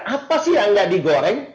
apa sih yang nggak digoreng